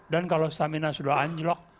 dan kalau stamina sudah anjlok